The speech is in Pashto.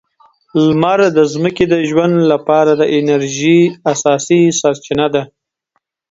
لمر د ځمکې د ژوند لپاره د انرژۍ اساسي سرچینه ده.